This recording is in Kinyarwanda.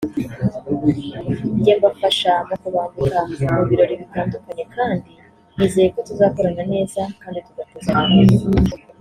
njye mbafasha mu kubambika mu birori bitandukanye kandi nizeye ko tuzakorana neza kandi tugatezanya imbere”